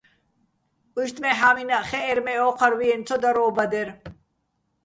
უჲშტ მე, ჰ̦ა́მინაჸ ხეჸერ, მე ოჴარ ვიენო̆ ცო დარ ო ბადერ.